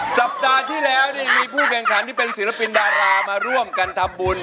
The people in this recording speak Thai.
สัปดาห์ที่แล้วมีผู้แข่งขันที่เป็นศิลปินดารามาร่วมกันทำบุญ